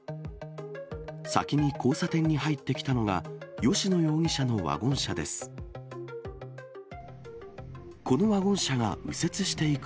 先に交差点に入ってきたのが、吉野容疑者のワゴン車です。